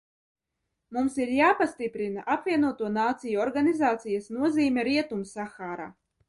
Mums ir jāpastiprina Apvienoto Nāciju Organizācijas nozīme Rietumsahārā.